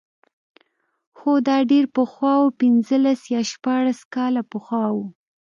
هو دا ډېر پخوا و پنځلس یا شپاړس کاله پخوا و.